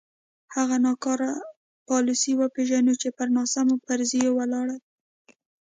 هغه ناکاره پالیسۍ وپېژنو چې پر ناسم فرضیو ولاړې دي.